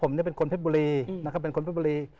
ผมเป็นคนเพชรบูรี